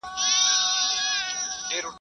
استاد شاګرد ته د سرچینو پته وښوده.